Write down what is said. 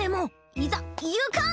いざゆかん！